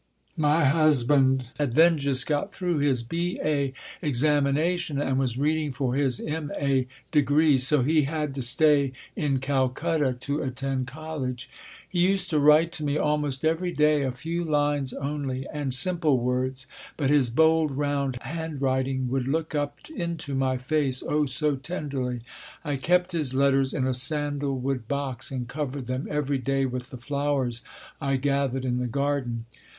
My husband had then just got through his B.A. examination and was reading for his M.A. degree; so he had to stay in Calcutta to attend college. He used to write to me almost every day, a few lines only, and simple words, but his bold, round handwriting would look up into my face, oh, so tenderly! I kept his letters in a sandalwood box and covered them every day with the flowers I gathered in the garden.